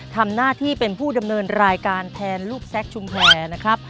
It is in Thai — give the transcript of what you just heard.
ทำหน้าที่เป็นผู้ดำเนินรายการแทนลูกแซคชุมแพรนะครับ